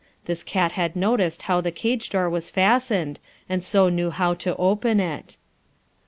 This cat had noticed how the cage door was fastened, and so knew how to open it.